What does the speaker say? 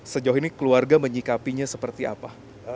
sejauh ini keluarga menyikapinya seperti apa